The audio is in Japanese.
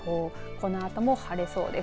このあとも晴れそうです。